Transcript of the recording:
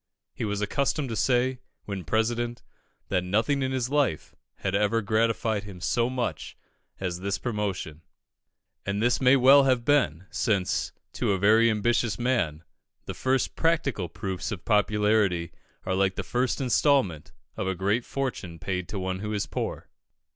He was accustomed to say, when President, that nothing in his life had ever gratified him so much as this promotion; and this may well have been, since, to a very ambitious man, the first practical proofs of popularity are like the first instalment of a great fortune paid to one who is poor.